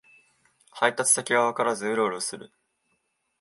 配達先がわからずウロウロする